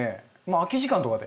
空き時間とかで。